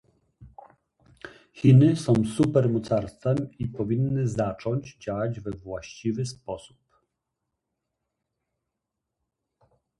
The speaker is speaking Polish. Chiny są supermocarstwem i powinny zacząć działać we właściwy sposób